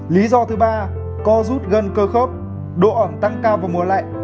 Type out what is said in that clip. lý do thứ ba là co rút gân cơ khớp độ ẩm tăng cao vào mùa lạnh